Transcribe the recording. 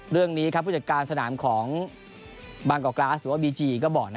เรื่องนี้ผู้จัดการสนามของบางกอกกราสหรือว่าบีจีก็บอก